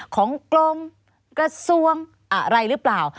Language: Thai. ของกรมกระทรวงอะไรหรือเปล่า